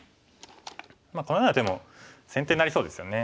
このような手も先手になりそうですよね。